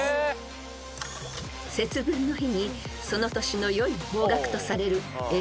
［節分の日にその年の良い方角とされるえ